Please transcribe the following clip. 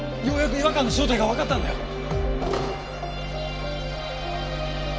ようやく違和感の正体がわかったんだよ！